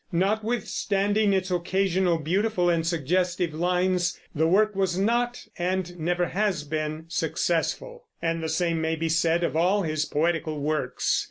Notwithstanding its occasional beautiful and suggestive lines, the work was not and never has been successful; and the same may be said of all his poetical works.